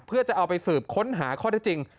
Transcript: เพื่อจะเอาไปสืบค้นหาข้อได้จริง